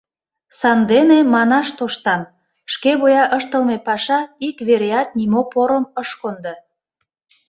Сандене манаш тоштам: шке вуя ыштылме паша ик вереат нимо порым ыш кондо.